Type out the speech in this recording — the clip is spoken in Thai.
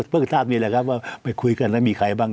ทราบนี่แหละครับว่าไปคุยกันแล้วมีใครบ้าง